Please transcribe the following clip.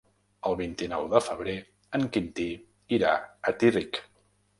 El vint-i-nou de febrer en Quintí irà a Tírig.